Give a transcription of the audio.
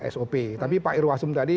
sop tapi pak irwasum tadi